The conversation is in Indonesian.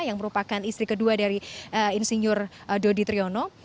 yang merupakan istri kedua dari insinyur dodi triyono